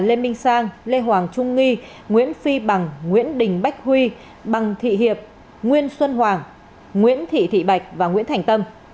lê minh sang lê hoàng trung nghi nguyễn phi bằng nguyễn đình bách huy bằng thị hiệp nguyên xuân hoàng nguyễn thị bạch và nguyễn thành tâm